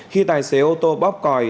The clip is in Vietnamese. khi tài xế ô tô bóp còi